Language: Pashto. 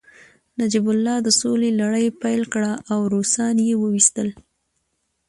نجیب الله د سولې لړۍ پیل کړه او روسان يې وويستل